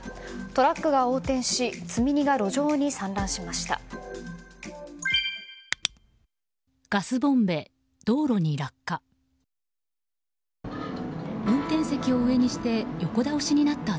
トラックが横転し積み荷が路上に散乱しました。